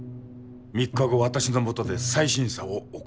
３日後私のもとで再審査を行う。